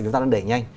chúng ta đang để nhanh